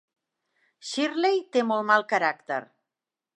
Shirley té molt mal caràcter.